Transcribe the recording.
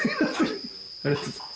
ありがとうございます。